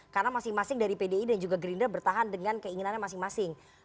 karena masing masing dari pdi dan juga gerindra bertahan dengan keinginannya masing masing